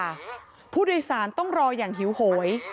ไม่จริงค่ะผู้โดยสารต้องรออย่างหิวโหย